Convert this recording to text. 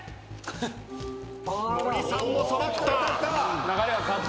森さんも揃った。